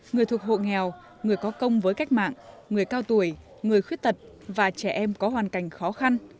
người thuộc hộ nghèo người có công với cách mạng người cao tuổi người khuyết tật và trẻ em có hoàn cảnh khó khăn